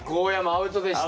アウトでした。